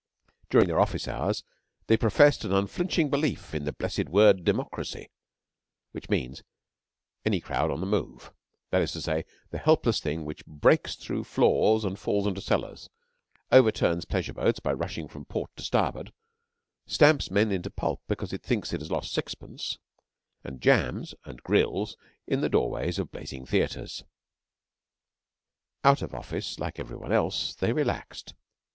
During their office hours they professed an unflinching belief in the blessed word 'Democracy,' which means any crowd on the move that is to say, the helpless thing which breaks through floors and falls into cellars; overturns pleasure boats by rushing from port to starboard; stamps men into pulp because it thinks it has lost sixpence, and jams and grills in the doorways of blazing theatres. Out of office, like every one else, they relaxed.